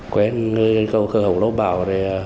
quen người cơ hội đỗ bảo